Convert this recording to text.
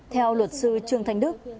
theo luật sư trương thành đức